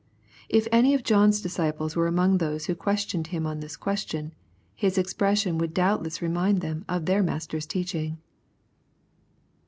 If any of John's disciples were among those who questioned Him on this question, His expression would doubtless remind them of their master's teaching.